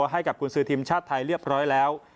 ให้กับกุญสือทีมชาติไทยเรียบร้อยแล้ว